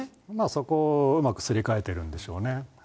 そこうまくすり替えてるんでしょうね。